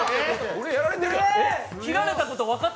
俺やられてるやん。